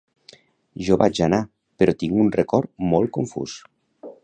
Jo vaig anar, però tinc un record molt confús.